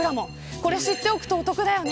これ知っておくとお得でだよね。